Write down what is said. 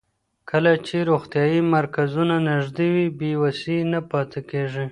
کله چې روغتیايي مرکزونه نږدې وي، بې وسۍ نه پاتې کېږي.